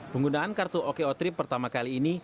penggunaan kartu oko trip pertama kali ini